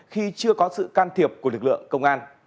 khi chưa có sự can thiệp của lực lượng công an